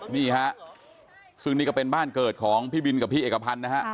นี่ฮะซึ่งนี่ก็เป็นบ้านเกิดของพี่บินกับพี่เอกพันธ์นะฮะ